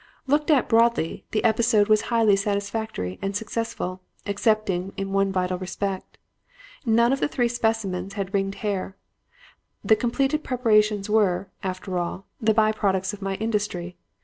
"Looked at broadly, the episode was highly satisfactory and successful excepting in one vital respect. None of the three specimens had ringed hair. The completed preparations were, after all, but the by products of my industry.